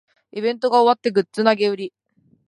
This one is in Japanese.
イベントが終わってグッズ投げ売り